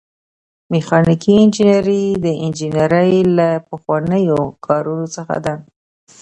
میخانیکي انجنیری د انجنیری له پخوانیو کارونو څخه ده.